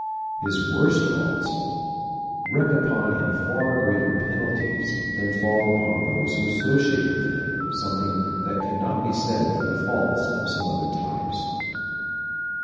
His worst faults wreak upon him far greater penalties than fall upon those who associate with him, something that can not be said of the faults of some other types.